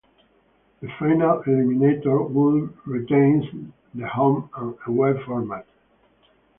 The final eliminator would retain the home and away format.